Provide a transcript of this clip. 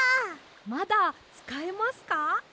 まだつかえますか？